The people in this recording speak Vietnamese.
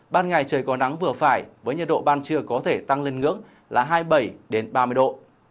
ban ngày trời có nắng vừa phải với nhiệt độ ban trưa có thể tăng lên ngưỡng là hai mươi bảy ba mươi độ